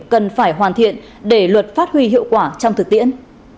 cần phải hoàn thiện để luật phát huy hiệu quả trong thực tiễn